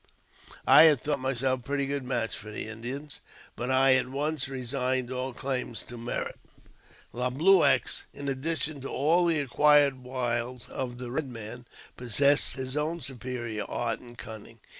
I had thought myself a pretty good match for the Indians, but I at once resigned all claims to merit. Le Blueux, in addition to all the acquired wiles of the Eed Man, possessed his own superior art and cunning.